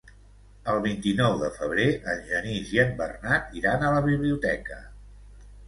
El vint-i-nou de febrer en Genís i en Bernat iran a la biblioteca.